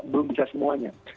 belum bisa semuanya